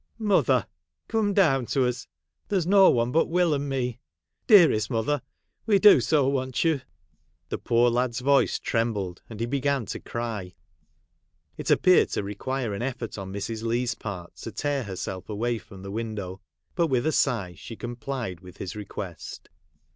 Mother ! come down to us. There 's no one but "Will and me. Dearest mother, we do so want you.' The poor lad's voice trem bled, and he began to cry. It appeared to require an effort on Mrs. Leigh's part to tear herself away from the window, but with a sigh she complied with his request.